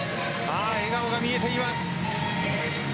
笑顔が見えています。